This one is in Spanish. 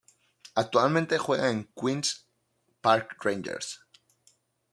Actualmente juega en Queens Park Rangers.